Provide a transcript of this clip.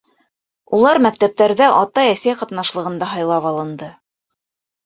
Улар мәктәптәрҙә атай-әсәй ҡатнашлығында һайлап алынды.